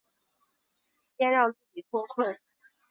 先让自己脱困